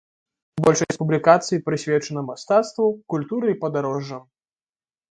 Большасць публікацый прысвечана мастацтву, культуры і падарожжам.